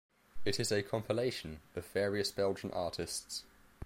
It is a compilation of various Belgian artists.